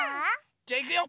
じゃあいくよ。